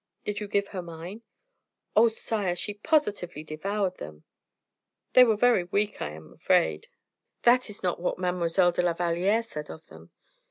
"Did you give her mine?" "Oh! sire, she positively devoured them." "They were very weak, I am afraid." "That is not what Mademoiselle de la Valliere said of them."